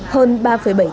hơn ba bảy triệu đồng